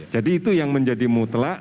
jadi itu yang menjadi mutlak